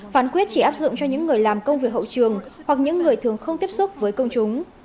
phán quyết chỉ áp dụng cho những người làm công việc hậu trường hoặc những người thường không tiếp xúc với công chúng